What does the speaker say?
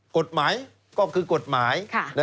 กฎหมายก็คือกฎหมาย